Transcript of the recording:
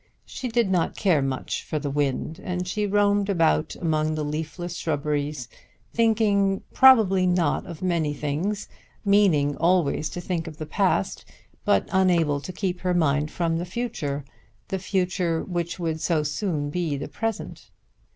She did not care much for the wind; and she roamed about among the leafless shrubberies, thinking, probably not of many things, meaning always to think of the past, but unable to keep her mind from the future, the future which would so soon be the present.